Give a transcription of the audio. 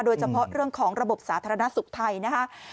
โดยเฉพาะเรื่องของระบบสาธารณสุขไทยนะครับ